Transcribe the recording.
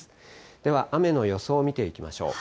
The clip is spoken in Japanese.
では、雨の予想を見ていきましょう。